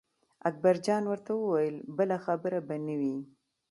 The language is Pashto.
اکبر جان ورته وویل بله خبره به نه وي.